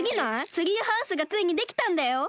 ツリーハウスがついにできたんだよ！